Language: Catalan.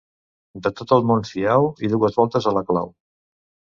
De tot el món fiau i dues voltes a la clau.